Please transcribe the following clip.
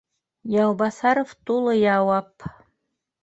— Яубаҫаров тулы яуап